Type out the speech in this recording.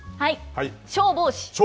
消防士。